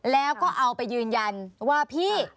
แล้วก็เอาไปยืนยันว่าพี่